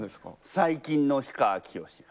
最近の氷川きよしが。